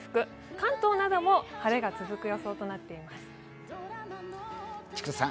関東なども晴れが続く予想となっています。